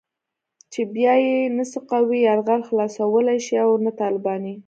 چې بيا يې نه سقوي يرغل خلاصولای شي او نه طالباني.